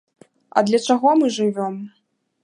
А для чаго мы жывём?